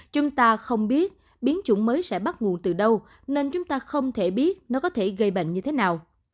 chúng ta không biết biến chủng mới sẽ bắt nguồn từ đâu nên chúng ta không thể biết nó có thể gây bệnh như thế nào